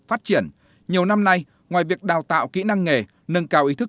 phát triển nhiều năm nay ngoài việc đào tạo kỹ năng nghề nâng cao ý thức